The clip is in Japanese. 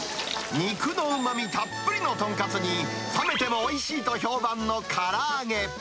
肉のうまみたっぷりの豚カツに、冷めてもおいしいと評判のから揚げ。